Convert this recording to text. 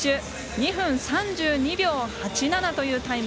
２分３２秒８７というタイム。